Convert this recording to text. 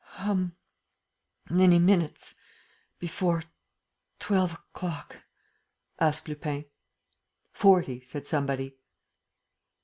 "How many minutes ... before twelve o'clock?" asked Lupin. "Forty," said somebody.